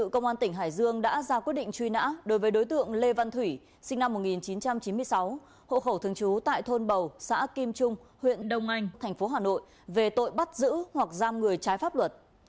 công an tỉnh hải dương đã ra quyết định truy nã đối với đối tượng lê văn thủy sinh năm một nghìn chín trăm chín mươi sáu hộ khẩu thường trú tại thôn bầu xã kim trung huyện đông anh tp hà nội về tội bắt giữ hoặc giam người trái pháp luật